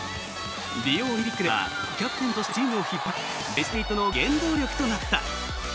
リオオリンピックではキャプテンとしてチームを引っ張りベスト８の原動力となった。